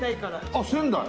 あっ仙台？